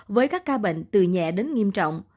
với các ca bệnh từ nhẹ đến nghiêm trọng